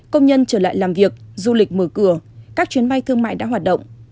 công nhân trở lại làm việc du lịch mở cửa các chuyến bay thương mại đã hoạt động